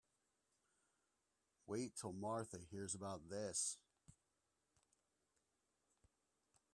Wait till Martha hears about this.